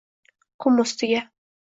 Qum ustiga